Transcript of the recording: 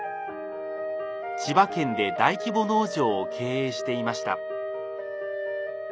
千葉県で大規模農場を経営していました。